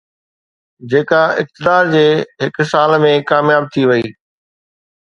جيڪا اقتدار جي هڪ سال ۾ ڪامياب ٿي وئي